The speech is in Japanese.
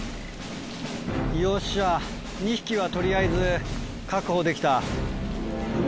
よっしゃ２匹は取りあえず確保できた。